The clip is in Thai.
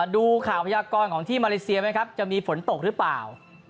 ดูข่าวพยากรของที่มาเลเซียไหมครับจะมีฝนตกหรือเปล่า